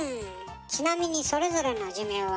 ちなみにそれぞれの寿命は？